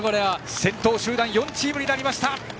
先頭集団４チームになりました。